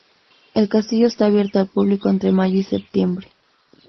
El castillo está abierto al público entre mayo y septiembre.